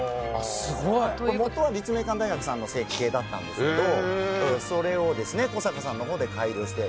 もとは立命館大学さんの設計だったんですがそれをコサカさんのほうで改良して。